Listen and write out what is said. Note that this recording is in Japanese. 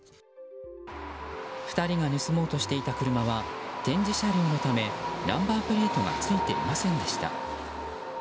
２人が盗もうとしていた車は展示車両のためナンバープレートがついていませんでした。